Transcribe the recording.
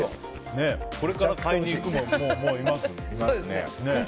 これから買いに行くもいますね。